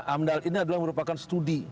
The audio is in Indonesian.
amdal ini adalah merupakan studi